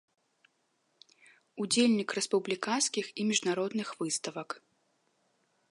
Удзельнік рэспубліканскіх і міжнародных выставак.